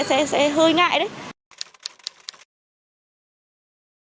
sẽ hơi ngại đấy